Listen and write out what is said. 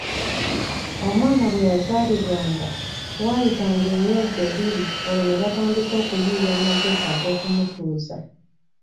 Omwana bwe yazaalibwanga, waayitanga emyezi ebiri olwo ne batandika okuyiiya amagezi ag’okumutuuza.